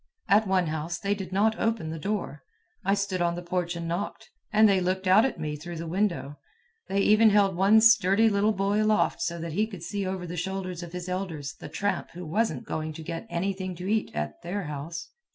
At one house they did not open the door. I stood on the porch and knocked, and they looked out at me through the window. They even held one sturdy little boy aloft so that he could see over the shoulders of his elders the tramp who wasn't going to get anything to eat at their house.